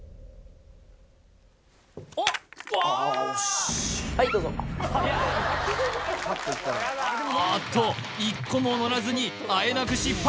ああ惜しいああっと１個ものらずにあえなく失敗